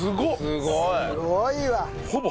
すごいわ。